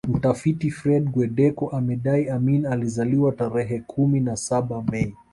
Mtafiti Fred Guweddeko amedai Amin alizaliwa tarehe kumi na saba Mei